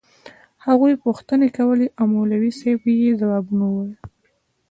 هغوى پوښتنې کولې او مولوي صاحب يې ځوابونه ويل.